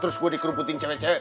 terus gue dikeruputin cewek cewek